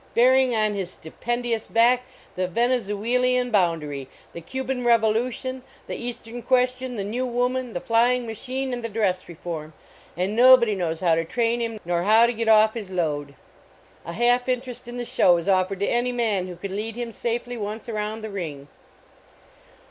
Bearing on his stupendious back the Venezuelean boundary, the Cuban revolution, the Eastern question, the New Woman, the Flying Machine, and the Dress Reform, and nobody knows how to train him nor how to get off his load ! A half interest in the show is offered to any man who can lead him safely once around the ring.